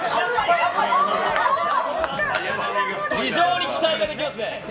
非常に期待ができますね。